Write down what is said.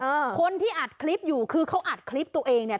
คนที่อัดคลิปอยู่คือเขาอัดคลิปตัวเองเนี่ย